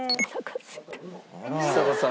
ちさ子さん